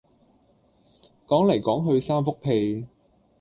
講來講去三幅被